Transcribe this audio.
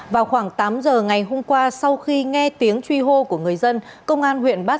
vào khoảng tám giờ ngày hôm qua sau khi nghe tiếng truy hô của người dân công an huyện bát